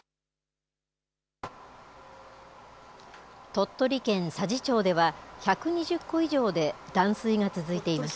鳥取県佐治町では、１２０戸以上で断水が続いています。